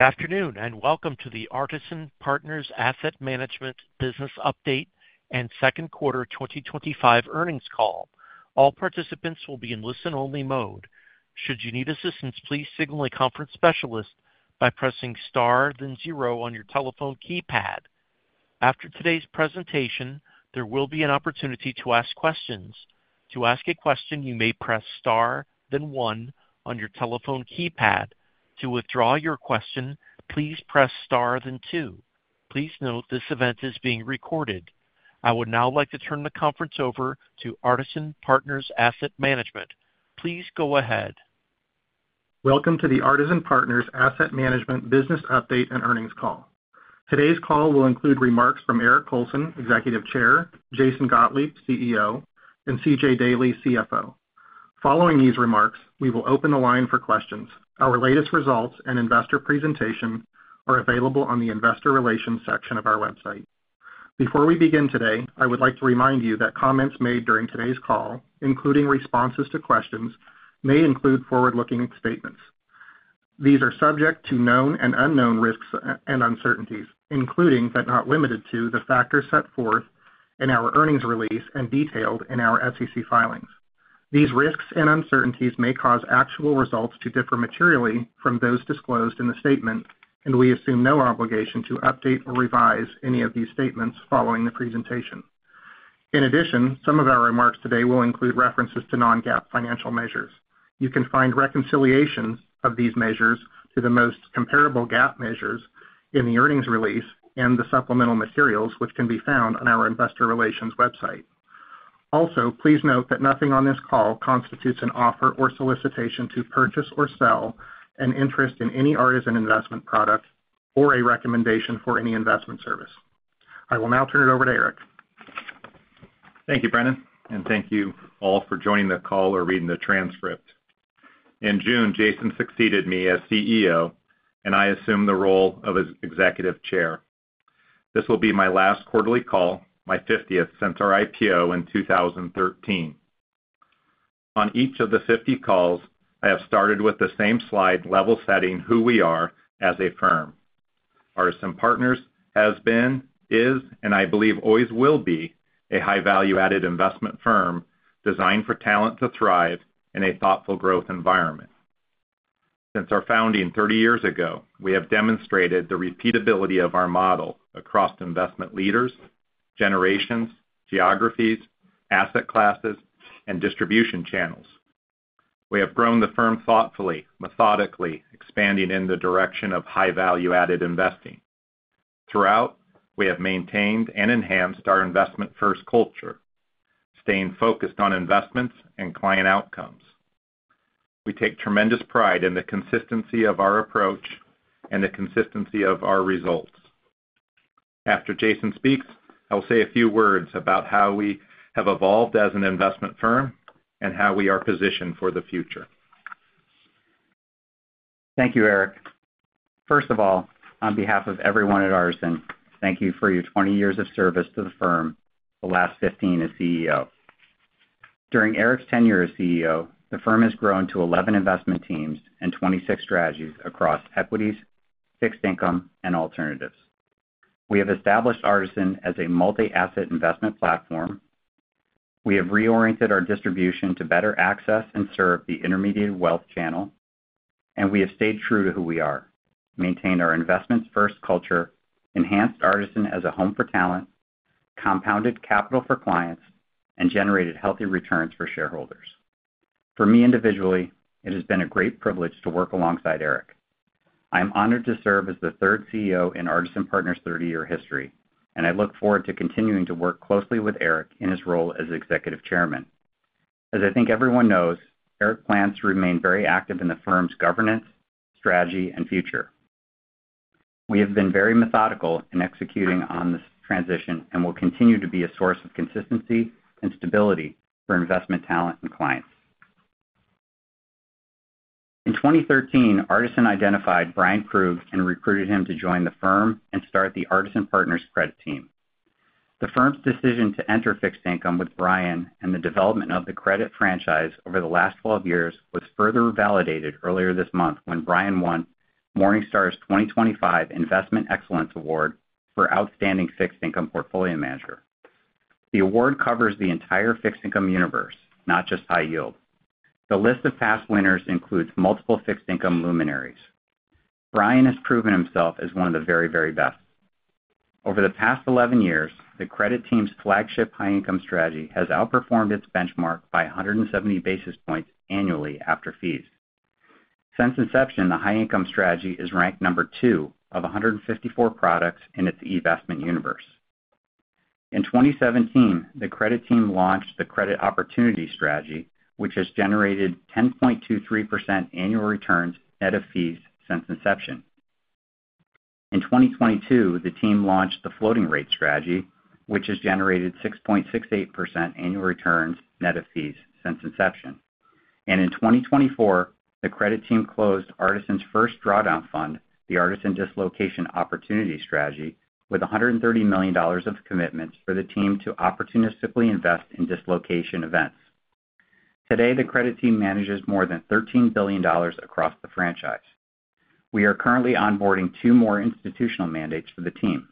Good afternoon, and welcome to the Artesyn Partners Asset Management Business Update and Second Quarter twenty twenty five Earnings Call. All participants will be in listen only mode. After today's presentation, Please note this event is being recorded. I would now like to turn the conference over to Artisan Partners Asset Management. Please go ahead. Welcome to the Artisan Partners Asset Management business update and earnings call. Today's call will include remarks from Eric Colson, Executive Chair Jason Gottlieb, CEO and C. J. Daley, CFO. Following these remarks, we will open the line for questions. Our latest results and investor presentation are available on the Investor Relations section of our website. Before we begin today, I would like to remind you that comments made during today's call, including responses to questions, may include forward looking statements. These are subject to known and unknown risks and uncertainties, including, but not limited to, the factors set forth in our earnings release and detailed in our SEC filings. These risks and uncertainties may cause actual results to differ materially from those disclosed in the statement, and we assume no obligation to update or revise any of these statements following the presentation. In addition, some of our remarks today will include references to non GAAP financial measures. You can find reconciliations of these measures to the most comparable GAAP measures in the earnings release and the supplemental materials, which can be found on our Investor Relations website. Also, please note that nothing on this call constitutes an offer or solicitation to purchase or sell an interest in any artisan investment product or a recommendation for any investment service. I will now turn it over to Eric. Thank you, Brennan, and thank you all for joining the call or reading the transcript. In June, Jason succeeded me as CEO, and I assumed the role of his executive chair. This will be my last quarterly call, my fiftieth since our IPO in 2013. On each of the 50 calls, I have started with the same slide level setting who we are as a firm. Artisan Partners has been, is, and I believe always will be, a high value added investment firm designed for talent to thrive in a thoughtful growth environment. Since our founding thirty years ago, we have demonstrated the repeatability of our model across investment leaders, generations, geographies, asset classes, and distribution channels. We have grown the firm thoughtfully, methodically, expanding in the direction of high value added investing. Throughout, we have maintained and enhanced our investment first culture, staying focused on investments and client outcomes. We take tremendous pride in the consistency of our approach and the consistency of our results. After Jason speaks, I'll say a few words about how we have evolved as an investment firm and how we are positioned for the future. Thank you, Eric. First of all, on behalf of everyone at Arsen, thank you for your twenty years of service to the firm, the last fifteen as CEO. During Eric's tenure as CEO, the firm has grown to 11 investment teams and 26 strategies across equities, fixed income, and alternatives. We have established Artisan as a multi asset investment platform. We have reoriented our distribution to better access and serve the intermediate wealth channel. And we have stayed true to who we are, maintained our investments first culture, enhanced Artisan as a home for talent, compounded capital for clients, and generated healthy returns for shareholders. For me individually, it has been a great privilege to work alongside Eric. I am honored to serve as the third CEO in Artesyn Partners' thirty year history, and I look forward to continuing to work closely with Eric in his role as Executive Chairman. As I think everyone knows, Eric plans to remain very active in the firm's governance, strategy, and future. We have been very methodical in executing on this transition and will continue to be a source of consistency and stability for investment talent and clients. In 2013, Artisan identified Brian Krug and recruited him to join the firm and start the Artisan Partners credit team. The firm's decision to enter fixed income with Brian and the development of the credit franchise over the last twelve years was further validated earlier this month when Brian won Morningstar's 2025 Investment Excellence Award for Outstanding Fixed Income Portfolio Manager. The award covers the entire fixed income universe, not just high yield. The list of past winners includes multiple fixed income luminaries. Brian has proven himself as one of the very, very best. Over the past eleven years, the credit team's flagship high income strategy has outperformed its benchmark by 170 basis points annually after fees. Since inception, the high income strategy is ranked number two of 154 products in its eVestment universe. In 2017, the credit team launched the Credit Opportunity Strategy, which has generated 10.23% annual returns net of fees since inception. In 2022, the team launched the Floating Rate Strategy, which has generated 6.68% annual returns net of fees since inception. And in 2024, the credit team closed Artisan's first drawdown fund, the Artisan Dislocation Opportunity Strategy, with $130,000,000 of commitments for the team to opportunistically invest in dislocation events. Today, the credit team manages more than $13,000,000,000 across the franchise. We are currently onboarding two more institutional mandates for the team.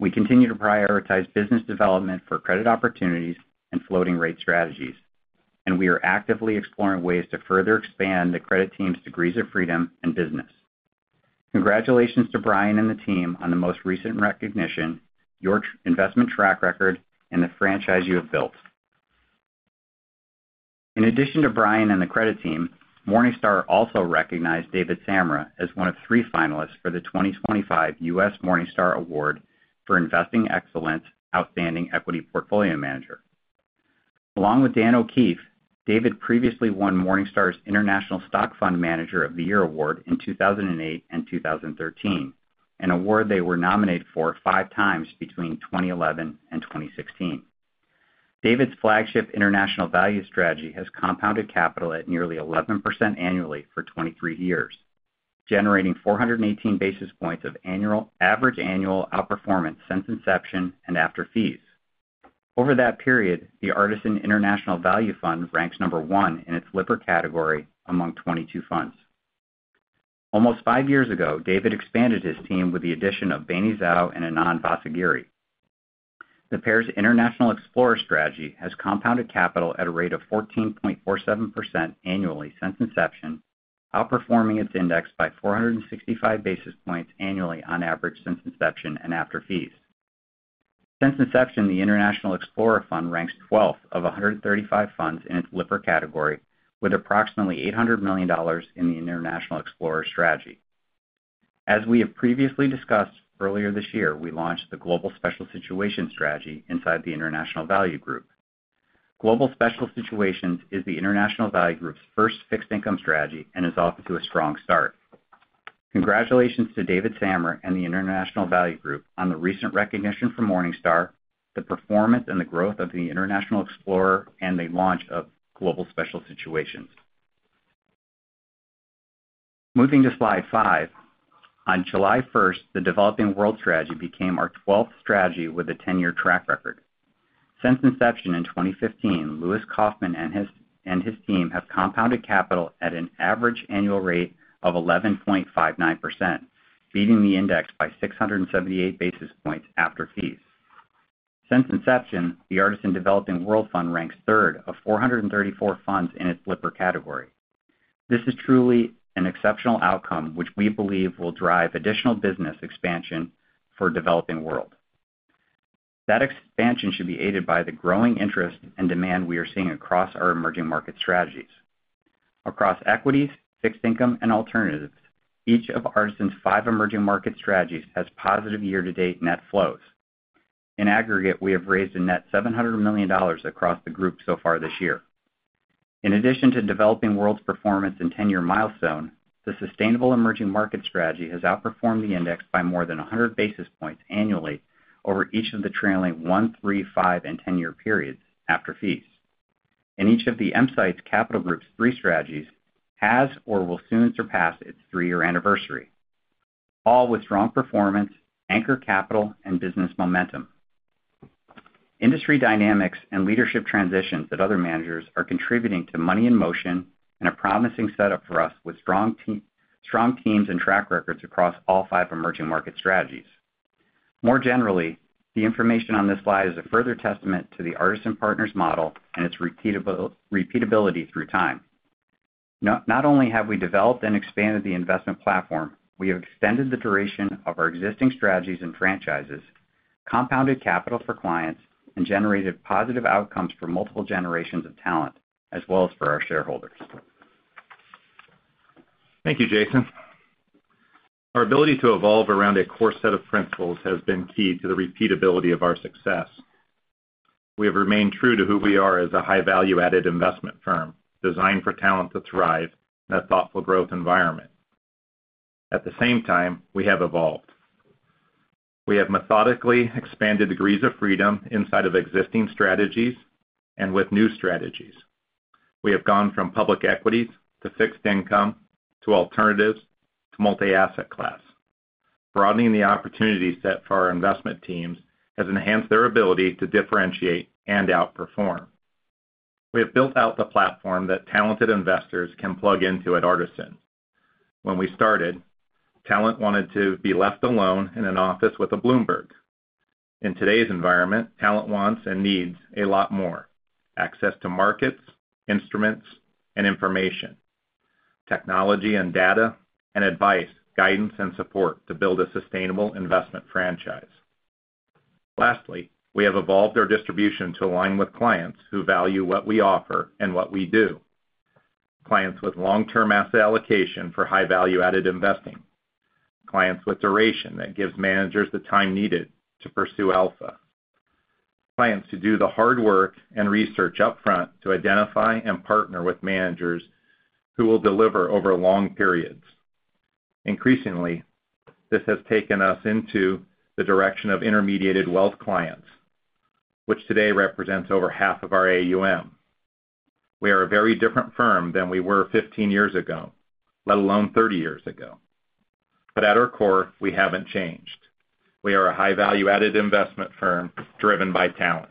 We continue to prioritize business development for credit opportunities and floating rate strategies, and we are actively exploring ways to further expand the credit team's degrees of freedom and business. Congratulations to Brian and the team on the most recent recognition, your investment track record, and the franchise you have built. In addition to Brian and the credit team, Morningstar also recognized David Samra as one of three finalists for the 2025 U. S. Morningstar Award for Investing Excellence Outstanding Equity Portfolio Manager. Along with Dan O'Keefe, David previously won Morningstar's International Stock Fund Manager of the Year Award in 2008 and 2013, an award they were nominated for five times between 2011 and 2016. DAVID's flagship international value strategy has compounded capital at nearly 11% annually for twenty three years, generating four eighteen basis points of average annual outperformance since inception and after fees. Over that period, the Artisan International Value Fund ranks number one in its Lipper category among 22 funds. Almost five years ago, David expanded his team with the addition of Bene Zhao and Anand Vasegiri. The pair's international explorer strategy has compounded capital at a rate of 14.47% annually since inception, outperforming its index by four sixty five basis points annually on average since inception and after fees. Since inception, the International Explorer Fund ranks twelfth of 135 funds in its Lipper category, with approximately $800,000,000 in the International Explorer Strategy. As we have previously discussed, earlier this year, we launched the Global Special Situations strategy inside the International Value Group. Global Special Situations is the International Value Group's first fixed income strategy, and is off to a strong start. Congratulations to David Sammer and the International Value Group on the recent recognition from Morningstar, the performance and the growth of the International Explorer, and the launch of Global Special Situations. Moving to slide five. On July 1, the Developing World Strategy became our twelfth strategy with a ten year track record. Since inception in 2015, Louis Kaufman and his team have compounded capital at an average annual rate of 11.59%, beating the index by six seventy eight basis points after fees. Since inception, the Artisan Developing World third of four thirty four funds in its Lipper category. This is truly an exceptional outcome, which we believe will drive additional business expansion for Developing World. That expansion should be aided by the growing interest and demand we are seeing across our emerging market strategies. Across equities, fixed income, and alternatives, each of Artisan's five emerging market strategies has positive year to date net flows. In aggregate, we have raised a net $700,000,000 across the group so far this year. In addition to developing world's performance and ten year milestone, the sustainable emerging market strategy has outperformed the index by more than 100 basis points annually over each of the trailing one, three, five, and ten year periods after fees. And each of the M Sites Capital Group's three strategies has or will soon surpass its three year anniversary, all with strong performance, anchor capital, and business momentum. Industry dynamics and leadership transitions at other managers are contributing to money in motion and a promising setup for us with strong teams and track records across all five emerging market strategies. More generally, the information on this slide is a further testament to the Artisan Partners model and its repeatability through time. Not only have we developed and expanded the investment platform, we have extended the duration of our existing strategies and franchises, compounded capital for clients, and generated positive outcomes for multiple generations of talent, as well as for our shareholders. Thank you, Jason. Our ability to evolve around a core set of principles has been key to the repeatability of our success. We have remained true to who we are as a high value added investment firm, designed for talent to thrive in a thoughtful growth environment. At the same time, we have evolved. We have methodically expanded degrees of freedom inside of existing strategies, and with new strategies. We have gone from public equities to fixed income to alternatives to multi asset class. Broadening the opportunity set for our investment teams has enhanced their ability to differentiate and outperform. We have built out the platform that talented investors can plug into at Artisan. When we started, talent wanted to be left alone in an office with a Bloomberg. In today's environment, talent wants and needs a lot more: access to markets, instruments, and information, technology and data, and advice, guidance, support to build a sustainable investment franchise. Lastly, we have evolved our distribution to align with clients who value what we offer and what we do. Clients with long term asset allocation for high value added investing, clients with duration that gives managers the time needed to pursue alpha, clients to do the hard work and research upfront to identify and partner with managers who will deliver over long periods. Increasingly, this has taken us into the direction of intermediated wealth clients, which today represents over half of our AUM. We are a very different firm than we were fifteen years ago, let alone thirty years ago. But at our core, we haven't changed. We are a high value added investment firm driven by talent.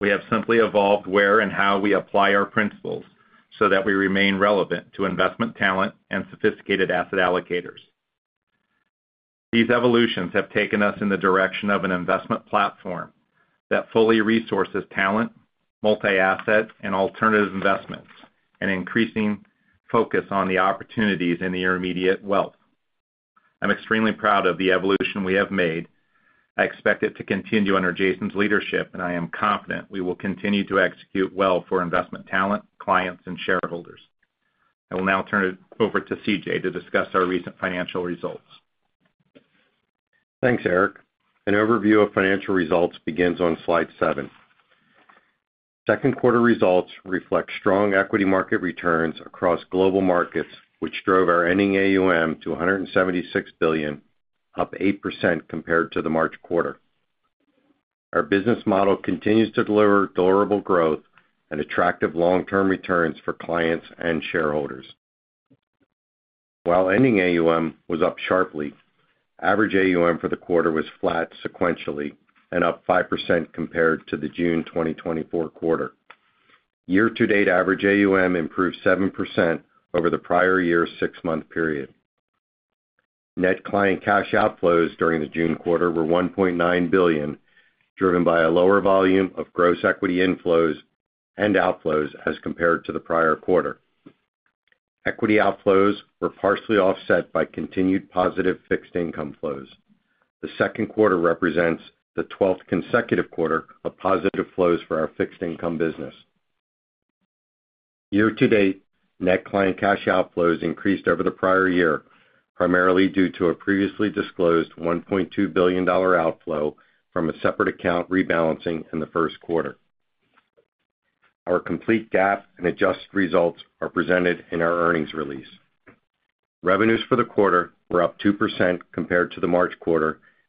We have simply evolved where and how we apply our principles, so that we remain relevant to investment talent and sophisticated asset allocators. These evolutions have taken us in the direction of an investment platform that fully resources talent, multi asset and alternative investments, and increasing focus on the opportunities in the intermediate wealth. I'm extremely proud of the evolution we have made. I expect it to continue under Jason's leadership, and I am confident we will continue to execute well for investment talent, clients and shareholders. I will now turn it over to CJ to discuss our recent financial results. Thanks, Eric. An overview of financial results begins on slide seven. Second quarter results reflect strong equity market returns across global markets, which drove our ending AUM to $176,000,000,000 up 8% compared to the March. Our business model continues to deliver durable growth and attractive long term returns for clients and shareholders. While ending AUM was up sharply, average AUM for the quarter was flat sequentially and up 5% compared to the June. Year to date average AUM improved 7% over the prior year's six month period. Net client cash outflows during the June were 1,900,000,000 driven by a lower volume of gross equity inflows and outflows as compared to the prior quarter. Equity outflows were partially offset by continued positive fixed income flows. The second quarter represents the twelfth consecutive quarter of positive flows for our fixed income business. Year to date, net client cash outflows increased over the prior year, primarily due to a previously disclosed $1,200,000,000 outflow from a separate account rebalancing in the first quarter. Our complete GAAP and adjusted results are presented in our earnings release. Revenues for the quarter were up 2% compared to the March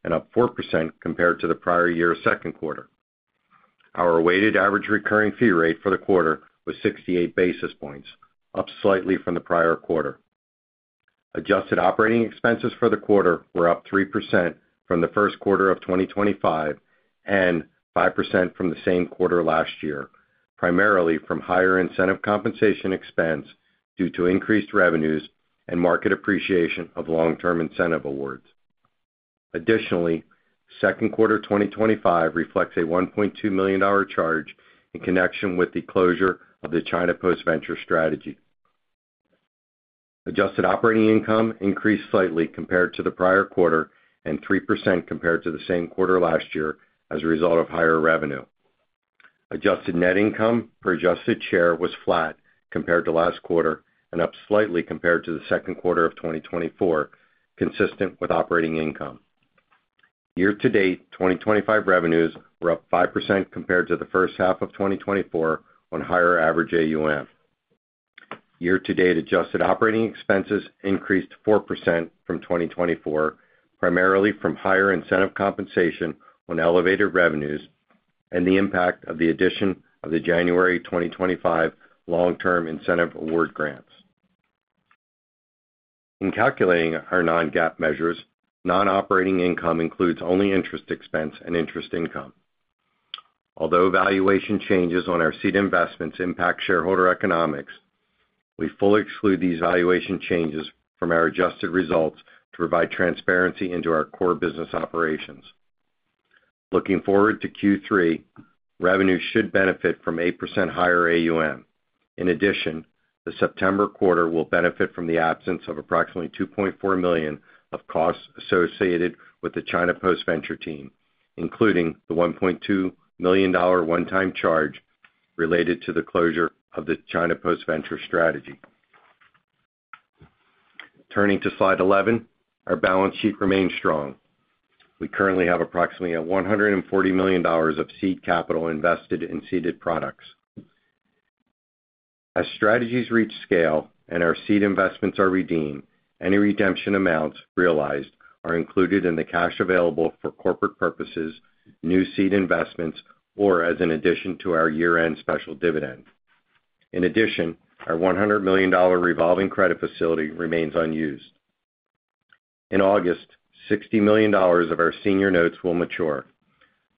and up 4% compared to the prior year second quarter. Our weighted average recurring fee rate for the quarter was 68 basis points, up slightly from the prior quarter. Adjusted operating expenses for the quarter were up 3% from the 2025 and five percent from the same quarter last year, primarily from higher incentive compensation expense due to increased revenues and market appreciation of long term incentive awards. Additionally, second quarter twenty twenty five reflects a $1,200,000 charge in connection with the closure of the China Post Venture strategy. Adjusted operating income increased slightly compared to the prior quarter and 3% compared to the same quarter last year as a result of higher revenue. Adjusted net income per adjusted share was flat compared to last quarter and up slightly compared to the second quarter of twenty twenty four, consistent with operating income. Year to date, 2025 revenues were up 5% compared to the 2024 on higher average AUM. Year to date adjusted operating expenses increased 4% from 2024, primarily from higher incentive compensation on elevated revenues and the impact of the addition of the January 2025 long term incentive award grants. In calculating our non GAAP measures, non operating income includes only interest expense and interest income. Although valuation changes on our seed investments impact shareholder economics, we fully exclude these valuation changes from our adjusted results to provide transparency into our core business operations. Looking forward to Q3, revenue should benefit from 8% higher AUM. In addition, the September will benefit from the absence of approximately $2,400,000 of costs associated with the China Post Venture Team, including the $1,200,000 one time charge related to the closure of the China Post Venture Strategy. Turning to slide 11, our balance sheet remains strong. We currently have approximately $140,000,000 of seed capital invested in seeded products. As strategies reach scale and our seed investments are redeemed, any redemption amounts realized are included in the cash available for corporate purposes, new seed investments, or as an addition to our year end special dividend. In addition, our $100,000,000 revolving credit facility remains unused. In August, dollars 60,000,000 of our senior notes will mature.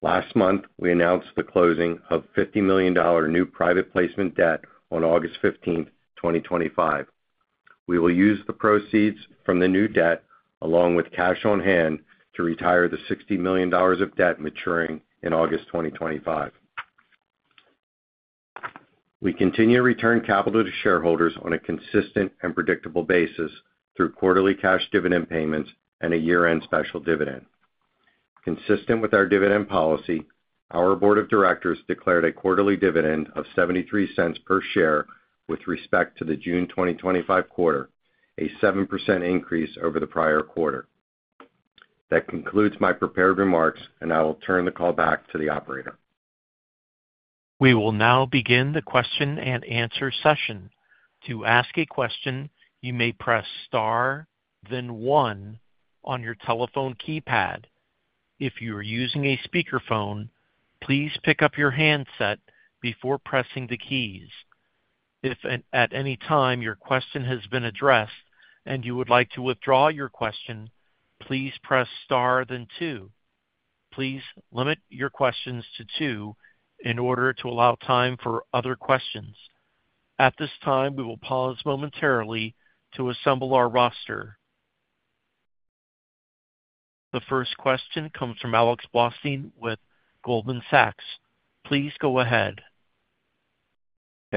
Last month, we announced the closing of $50,000,000 new private placement debt on 08/15/2025. We will use the proceeds from the new debt along with cash on hand to retire the $60,000,000 of debt maturing in August 2025. We continue to return capital to shareholders on a consistent and predictable basis through quarterly cash dividend payments and a year end special dividend. Consistent with our dividend policy, our Board of Directors declared a quarterly dividend of $0.73 per share with respect to the June 2025 quarter, a 7% increase over the prior quarter. That concludes my prepared remarks, and I will turn the call back to the operator. We will now begin the question and answer session. Please go ahead.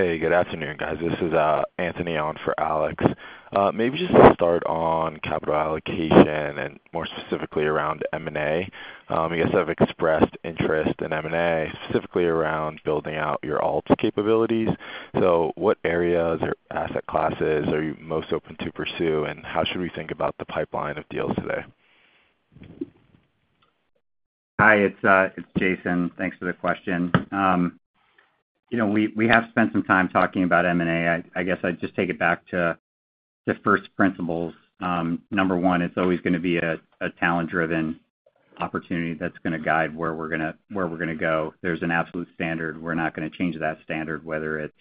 Hey, good afternoon guys. This is Anthony on for Alex. Maybe just to start on capital allocation and more specifically around M and A. You guys have expressed interest in M and A specifically around building out your ALPS capabilities. So what areas or asset classes are you most open to pursue? And how should we think about the pipeline of deals today? Hi, it's Jason. Thanks for the question. We have spent some time talking about M and A. Guess I'd just take it back to first principles. Number one, it's always going to be a talent driven opportunity that's going to guide where to we're go. There's an absolute standard. We're not going to change that standard whether it's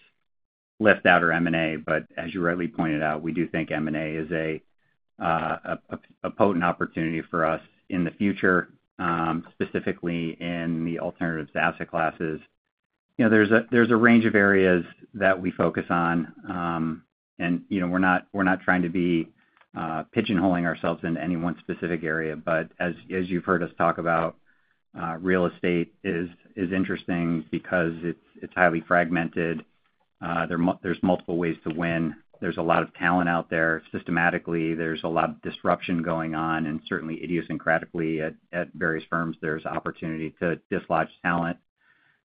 lift out or M and A. But as you rightly pointed out, we do think M and A is a potent opportunity for us in the future, specifically in the alternatives to asset classes. There's a range of areas that we focus on, and we're not trying to be pigeonholing ourselves into any one specific area, but as you've heard us talk about, real estate is interesting because it's highly fragmented. There's multiple ways to win. There's a lot of talent out there systematically. There's a lot of disruption going on, and certainly idiosyncratic at various firms there's opportunity to dislodge talent.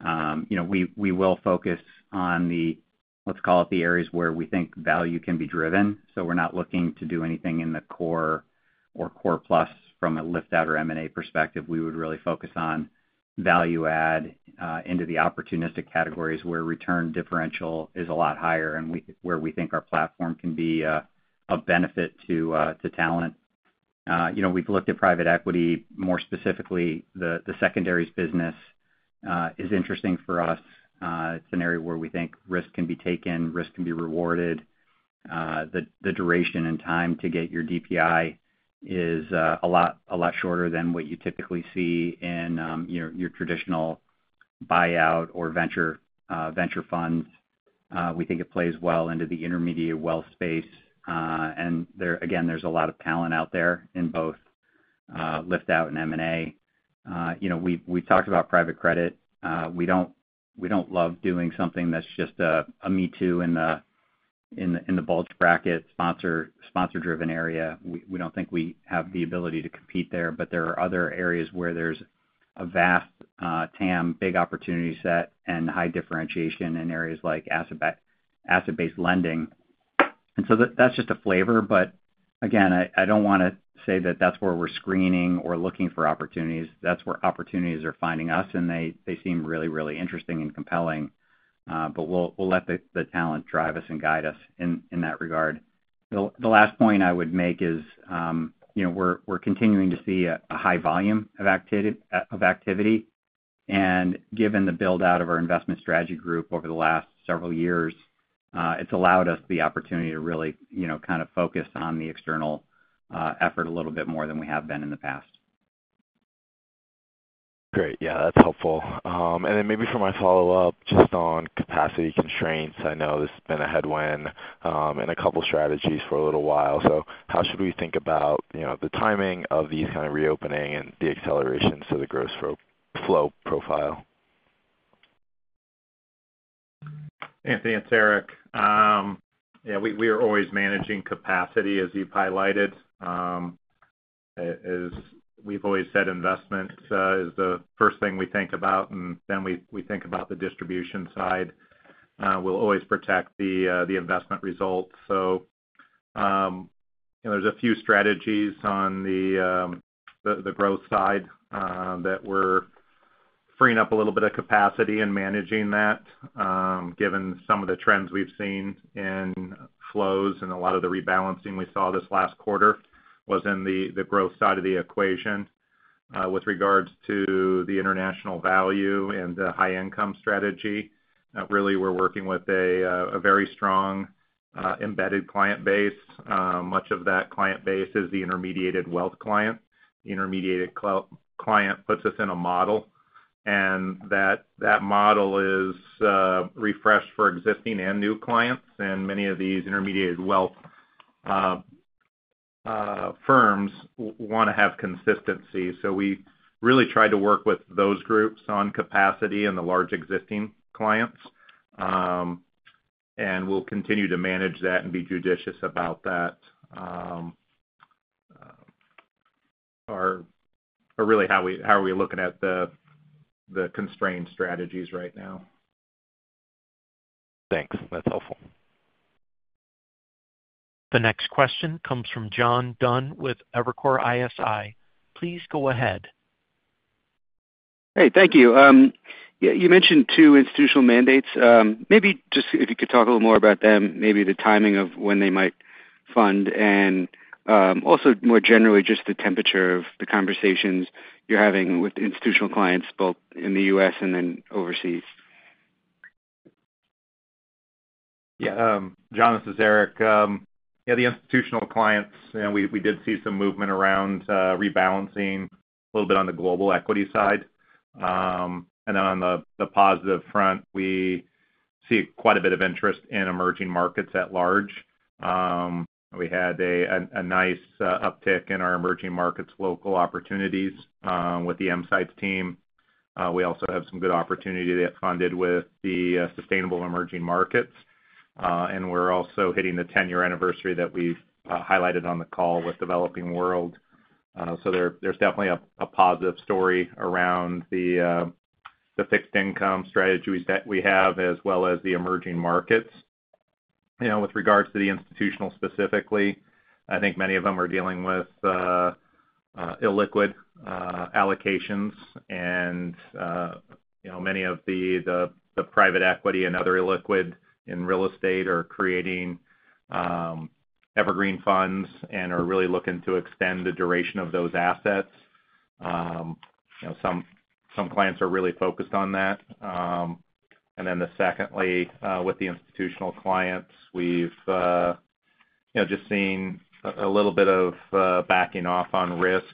We will focus on the, let's call it the areas where we think value can be driven. So we're not looking to do anything in the core or core plus from a lift out or M and A perspective. We would really focus on value add into the opportunistic categories where return differential is a lot higher and where we think our platform can be a benefit to talent. We've looked at private equity more specifically. The secondaries business is interesting for us. It's an area where we think risk can be taken, risk can be rewarded. The duration and time to get your DPI is a lot shorter than what you typically see in your traditional buyout or venture funds. We think it plays well into the intermediate wealth space. And again, there's a lot of talent out there in both lift out and M and A. We talked about private credit. We don't love doing something that's just a me too in the bulge bracket, sponsor driven area. We don't think we have the ability to compete there. But there are other areas where there's a vast TAM, big opportunity set, and high differentiation in areas like asset based lending. And so that's just a flavor, but again, I don't want to say that that's where we're screening or looking for opportunities. That's where opportunities are finding us, and they seem really, really interesting and compelling. But we'll let the talent drive us and guide us in that regard. The last point I would make is we're continuing to see a high volume of activity. And given the build out of our investment strategy group over the last several years, it's allowed us the opportunity to really kind of focus on the external effort a little bit more than we have been in the past. Great. Yeah, that's helpful. And then maybe for my follow-up just on capacity constraints. I know this has been a headwind headwind in a couple of strategies for a little while. So how should we think about the timing of these kind of reopening and the acceleration to the gross flow profile? Anthony, it's Eric. We are always managing capacity as you've highlighted. As we've always said, investments is the first thing we think about, and then we think about the distribution side. We'll always protect the investment results. There's a few strategies on the growth side that we're freeing up a little bit of capacity and managing that, given some of the trends we've seen in flows and a lot of the rebalancing we saw this last quarter was in the growth side of the equation. With regards to the international value and the high income strategy, Really, we're working with a very strong embedded client base. Much of that client base is the intermediated wealth client. Intermediated client puts us in a model, and that model is refreshed for existing and new clients, and many of these intermediated wealth firms want to have consistency. So we really try to work with those groups on capacity and the large existing clients. And we'll continue to manage that and be judicious about that. Or really how are we looking at the constraint strategies right now. Thanks, that's helpful. The next question comes from John Dunn Please go ahead. Hey, thank you. You mentioned two institutional mandates. Maybe just if you could talk a little more about them, maybe the timing of when they might fund and also more generally just the temperature of the conversations you're having with institutional clients both in The U. S. And then overseas. John, this is Eric. Yeah, the institutional clients, we did see some movement around rebalancing a little bit on the global equity side. And then on the positive front, we see quite a bit of interest in emerging markets at large. We had a nice uptick in our emerging markets local opportunities with the M Sites team. We also have some good opportunity to get funded with sustainable emerging markets. And we're also hitting the ten year anniversary that we highlighted on the call with Developing World. So there's definitely a positive story around the fixed income strategies that we have, as well as the emerging markets. With regards to the institutional specifically, I think many of them are dealing with illiquid allocations and many of the private equity and other illiquid in real estate are creating evergreen funds and are really looking to extend the duration of those assets. Some clients are really focused on that. And then the secondly, with the institutional clients, we've just seen a little bit of backing off on risk,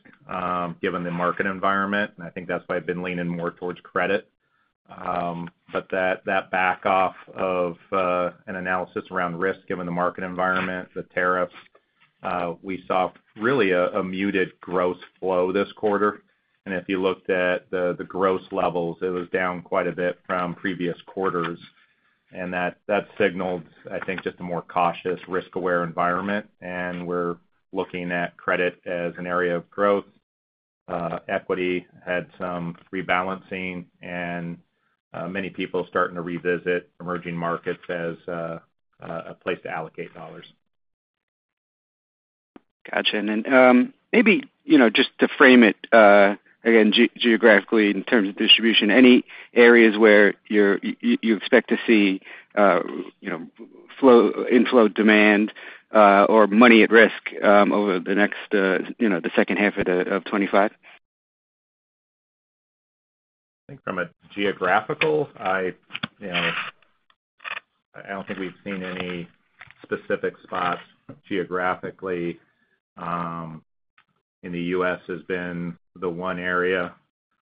given the market environment. And I think that's why I've been leaning more towards credit. But that back off of an analysis around risk, given the market environment, the tariffs, we saw really a muted gross flow this quarter. And if you looked at the gross levels, it was down quite a bit from previous quarters. And that signaled, I think, just a more cautious risk aware environment. And we're looking at credit as an area of growth. Equity had some rebalancing and many people starting to revisit emerging markets as a place to allocate dollars. Got you. And then maybe just to frame it again geographically in terms of distribution, any areas where you expect to see inflow demand or money at risk over the next the '25? I think from a geographical, don't think we've seen any specific spots geographically in The US has been the one area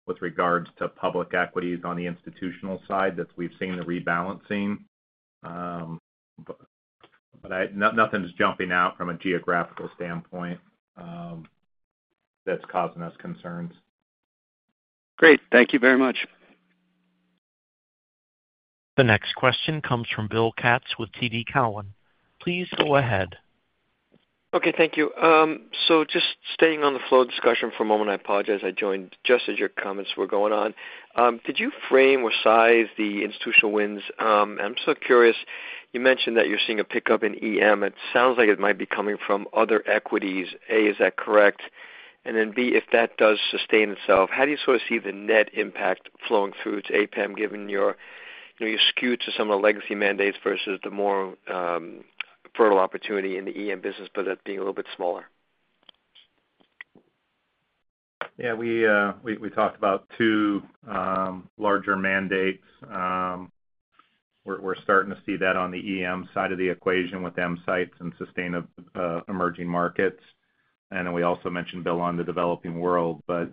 with regards to public equities on the institutional side that we've seen the rebalancing. Nothing's jumping out from a geographical standpoint that's causing us concerns. Great, thank you very much. The next question comes from Bill Katz with TD Cowen. Please go ahead. Okay. Thank you. So just staying on the flow discussion for a moment. I apologize. I joined just as your comments were going on. Did you frame or size the institutional wins? I'm so curious, you mentioned that you're seeing a pickup in EM. It sounds like it might be coming from other equities. A, is that correct? And then B, if that does sustain itself, how do you sort of see the net impact flowing through to APEM, given you're skewed to some of the legacy mandates versus the more fertile opportunity in the EM business, but that being a little bit smaller? Yeah, we talked about two larger mandates. We're starting to see that on the EM side of the equation with M sites and sustain emerging markets. And we also mentioned Bill on the Developing World, but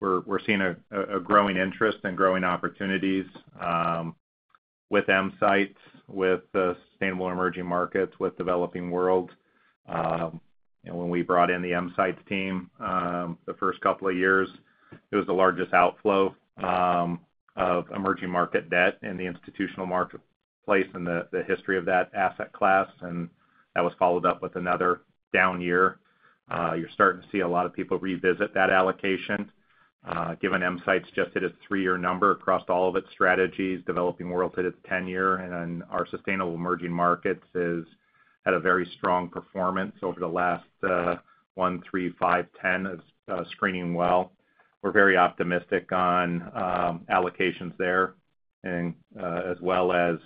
we're seeing a growing interest and growing opportunities with M Sites, with Sustainable Emerging Markets, with Developing World. And when we brought in the Emsights team the first couple of years, it was the largest outflow of emerging market debt in the institutional marketplace and the history of that asset class. And that was followed up with another down year. You're starting to see a lot of people revisit that allocation, given Emsights just hit a three year number across all of its strategies, Developing Worlds at its ten year, and our Sustainable Emerging Markets had a very strong performance over the last one, three, five, ten, screening well. We're very optimistic on allocations there, as well as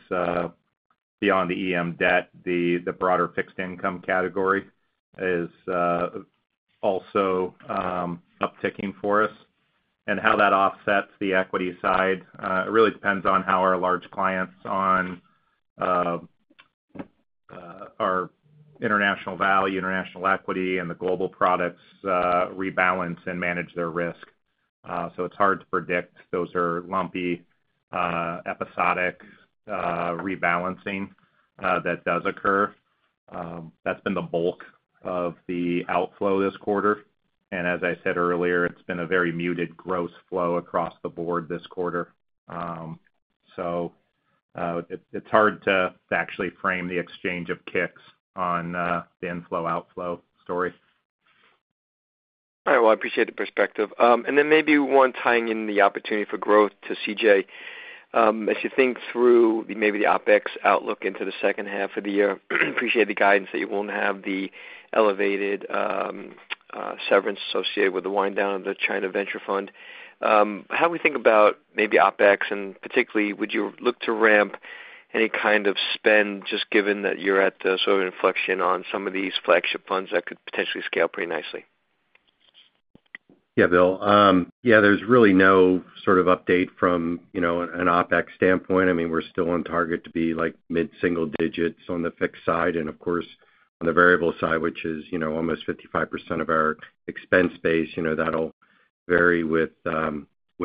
beyond the EM debt, the broader fixed income category is also up ticking for us. And how that offsets the equity side, it really depends on how our large clients on our international value, international equity and the global products rebalance and manage their risk. So it's hard to predict. Those are lumpy, episodic rebalancing that does occur. That's been the bulk of the outflow this quarter. And as I said earlier, it's been a very muted gross flow across the board this quarter. So it's hard to actually frame the exchange of kicks on the inflow outflow story. All right. Well, I appreciate the perspective. And then maybe one tying in the opportunity for growth to CJ. As you think through maybe the OpEx outlook into the second half of the year, I appreciate the guidance that you won't have the elevated severance associated with the wind down of the China venture fund. How we think about maybe OpEx and particularly would you look to ramp any kind of spend just given that you're at sort of inflection on some of these flagship funds that could potentially scale pretty nicely? Yeah, Bill. Yeah, there's really no sort of update from an OpEx standpoint. I mean, we're still on target to be like mid single digits on the fixed side and of course, on the variable side, which is almost 55 of our expense base, that'll vary with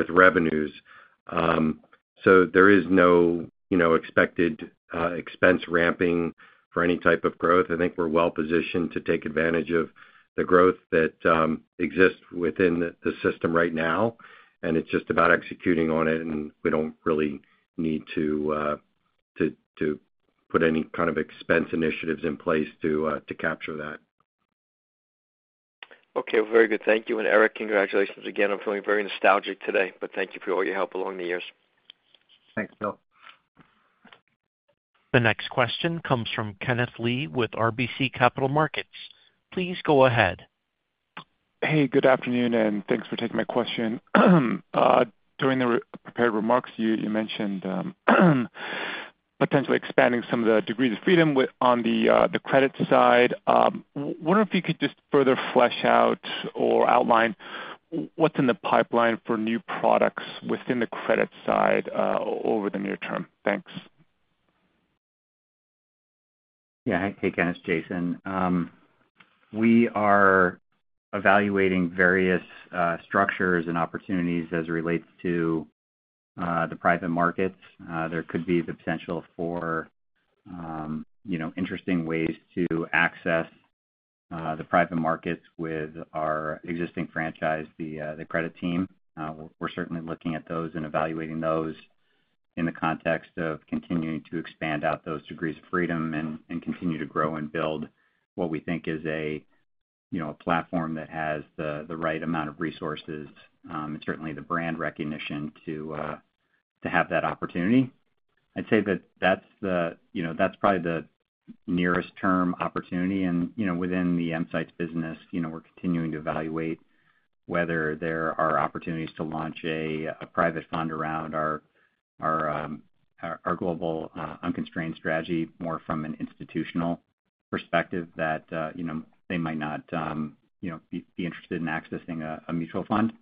revenues. So there is no expected expense ramping for any type of growth. I think we're well positioned to take advantage of the growth that exists within the system right now. And it's just about executing on it, and we don't really need to put any kind of expense initiatives in place to capture that. Okay. Very good. Thank you. And Eric, congratulations again. I'm feeling very nostalgic today. But thank you for all your help along the years. Thanks, Bill. The next question comes from Kenneth Lee with RBC Capital Markets. Please go ahead. Hey, good afternoon and thanks for taking my question. During the prepared remarks, mentioned potentially expanding some of the degrees of freedom on the credit side. I wonder if you could just further flesh out or outline what's in the pipeline for new products within the credit side over the near term. Thanks. Yeah. Hey Ken, it's Jason. We are evaluating various structures and opportunities as it relates to the private markets. There could be the potential for interesting ways to access the private markets with our existing franchise, the credit team. We're certainly looking at those and evaluating those in the context of continuing to expand out those degrees of freedom and continue to grow and build what we think is a platform that has the right amount of resources and certainly the brand recognition to have that opportunity. I'd say that that's probably the nearest term opportunity, and within the M Sites business, we're continuing to evaluate whether there are opportunities to launch a private fund around our global unconstrained strategy more from an institutional perspective that they might not be interested in accessing a mutual fund.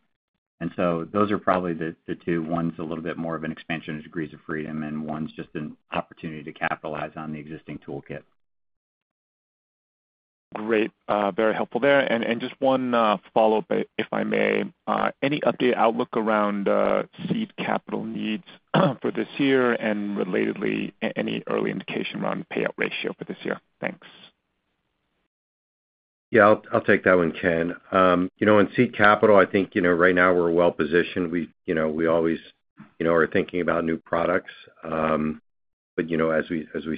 And so those are probably the two. One's a little bit more of an expansion of degrees of freedom, and one's just an opportunity to capitalize on the existing toolkit. Great. Very helpful there. And just one follow-up, if I may. Any updated outlook around seed capital needs for this year? Relatedly, any early indication around payout ratio for this year? Thanks. Yes, I'll take that one, Ken. In seed capital, I think right now we're well positioned. Always are thinking about new products. But as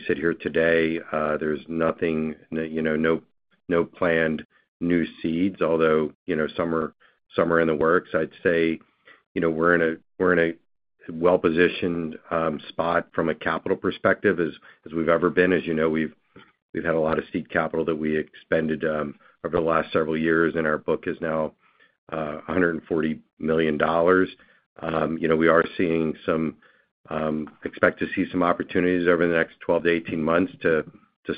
sit here today, there's nothing no planned new seeds, although some are in the works. I'd say we're in a well positioned spot from a capital perspective as we've ever been. As you know, we've had a lot of seed capital that we expended over the last several years, and our book is now $140,000,000 We expect to see some opportunities over the next twelve to eighteen months to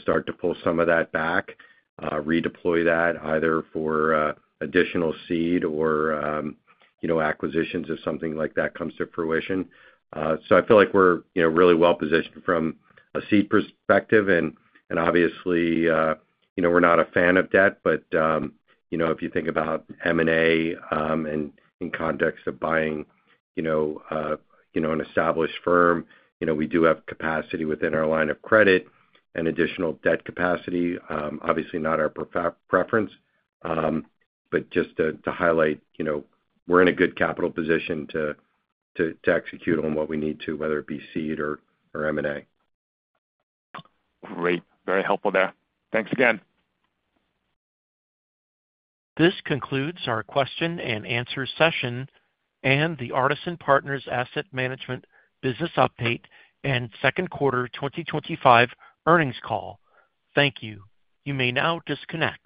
start to pull some of that back, redeploy that either for additional seed or acquisitions if something like that comes to fruition. So I feel like we're really well positioned from a seed perspective. And obviously, we're not a fan of debt, but if you think about M and A in context of buying an established firm, we do have capacity within our line of credit and additional debt capacity, obviously not our preference. But just to highlight, we're in a good capital position to execute on what we need to, whether it be seed or M and A. Great. Very helpful there. Thanks again. This concludes our question and answer session and the Artisan Partners Asset Management business update and second quarter twenty twenty five earnings call. Thank you. You may now disconnect.